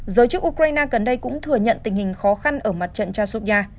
giới chức ukraine gần đây cũng thừa nhận tình hình khó khăn ở mặt trận trasubia